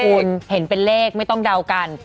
คุณเห็นเป็นเลขไม่ต้องเดากัน